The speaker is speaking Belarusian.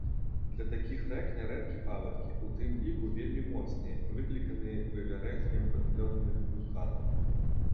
Для такіх рэк нярэдкія паводкі, у тым ліку вельмі моцныя, выкліканыя вывяржэннем падлёдных вулканаў.